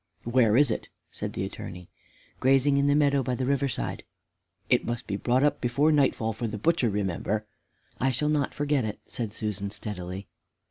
"Where is it?" said the Attorney. "Grazing in the meadow, by the river side." "It must be brought up before nightfall for the butcher, remember." "I shall not forget it," said Susan, steadily.